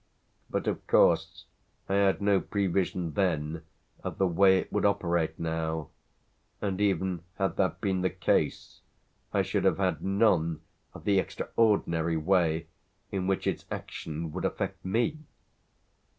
But of course I had no prevision then of the way it would operate now; and even had that been the case I should have had none of the extraordinary way in which its action would affect me."